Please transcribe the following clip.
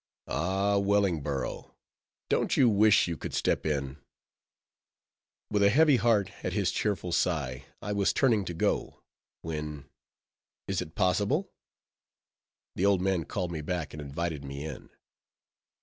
Ah! Wellingborough, don't you wish you could step in? With a heavy heart at his cheerful sigh, I was turning to go, when—is it possible? the old man called me back, and invited me in.